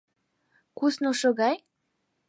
— Куснылшо гай?